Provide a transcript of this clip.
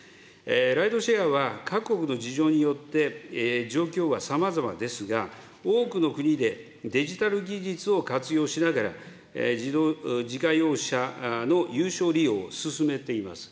ライドシェアは、各国の事情によって、状況はさまざまですが、多くの国でデジタル技術を活用しながら、自家用車の有償利用を進めています。